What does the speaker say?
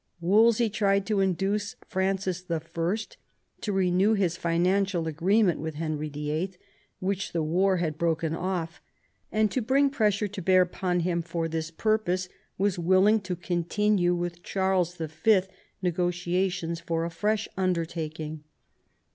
Wolsey tried to induce Francis I. to renew his financial agree ment with Henry VIH. which the war had broken oflF ; and to bring pressure to bear upon him for this pur pose, was willing to continue with Charles V. negotiations for a fresh undertaking.